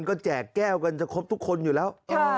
ก็แจกแก้วกันจะครบทุกคนอยู่แล้ว